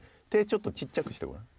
ちょっと小っちゃくしてごらん。